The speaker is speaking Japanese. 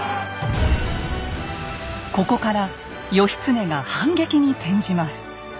ここから義経が反撃に転じます。